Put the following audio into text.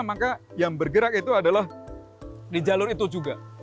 maka yang bergerak itu adalah di jalur itu juga